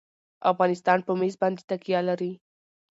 افغانستان په مس باندې تکیه لري.